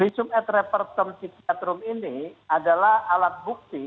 visum et repertum cipiatrum ini adalah alat bukti